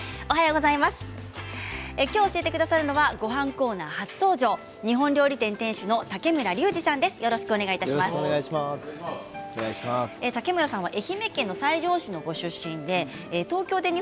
きょう教えてくださるのはごはんコーナー初登場日本料理店店主の竹村竜二さんです。